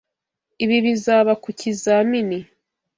Ibi bizaba ku kizamini.